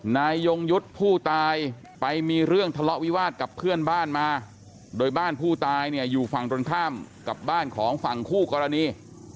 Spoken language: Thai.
ยงยุทธ์ผู้ตายไปมีเรื่องทะเลาะวิวาสกับเพื่อนบ้านมาโดยบ้านผู้ตายเนี่ยอยู่ฝั่งตรงข้ามกับบ้านของฝั่งคู่กรณี